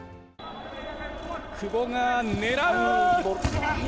久保が狙う！